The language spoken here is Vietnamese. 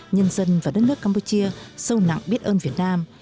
nhân dân và đất nước campuchia sâu nặng biết ơn việt nam